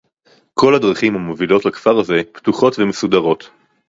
כל הדרכים המובילות לכפר הזה פתוחות ומסודרות